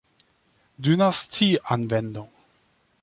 Dynastie Anwendung.